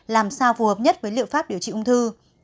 làm sao phù hợp nhất với liệu pháp điều trị ung thư